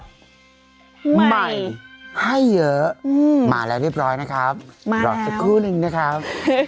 ใหม่ให้เยอะมาแล้วเรียบร้อยนะครับมารอสักครู่นึงนะครับ